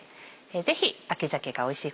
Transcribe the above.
ぜひ秋鮭がおいしい